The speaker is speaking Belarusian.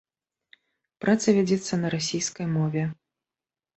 Праца вядзецца на расійскай мове.